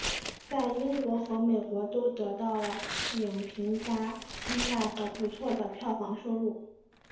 在英国和美国都得到了影评家青睐和不错的票房收入。